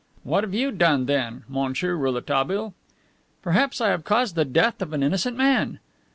"What have you done, then, Monsieur Rouletabille?" "Perhaps I have caused the death of an innocent man."